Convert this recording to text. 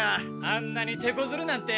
あんなにてこずるなんて。